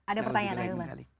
ada pertanyaan nih ilman